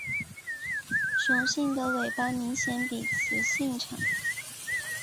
雄性的尾巴明显比雌性长。